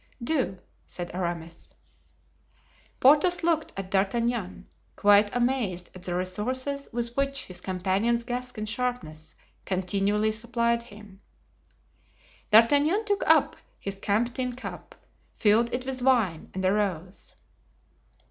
"Do," said Aramis. Porthos looked at D'Artagnan, quite amazed at the resources with which his companion's Gascon sharpness continually supplied him. D'Artagnan took up his camp tin cup, filled it with wine and arose.